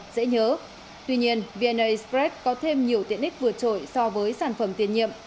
dễ nhớ tuy nhiên vna spread có thêm nhiều tiện ích vượt trội so với sản phẩm tiền nhiệm